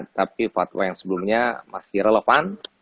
tapi fatwa yang sebelumnya masih relevan